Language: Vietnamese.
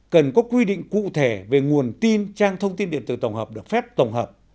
cần có quy định cụ thể về nguồn tin trang thông tin điện tử tổng hợp được phép tổng hợp